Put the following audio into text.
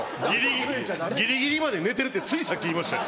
「ギリギリまで寝てる」ってついさっき言いましたよ。